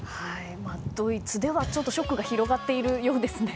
ドイツではショックが広がっているようですね。